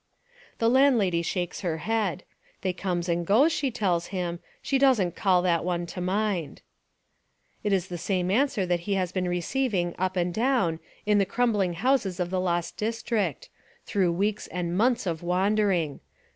The landlady shakes her head. They comes and goes, she tells him, she doesn't call that one to mind. It Is the same answer that he has been receiv ing, up and down, in the crumbling houses of 259 Essays and Literary Studies the lost district, through weeks and months of wandering.